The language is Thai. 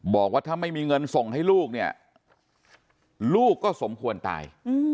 บอกว่าถ้าไม่มีเงินส่งให้ลูกเนี่ยลูกก็สมควรตาย